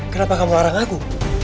kenapa kamu larang aku